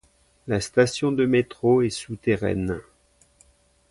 La station de métro est souterraine.